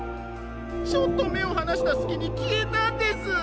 ちょっとめをはなしたすきにきえたんです。